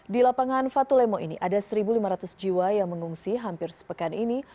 di lapangan fatulemo ini ada satu lima ratus jiwa yang mengungsi hampir sepekan ini